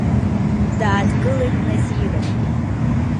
Дааҭгылеит Назира.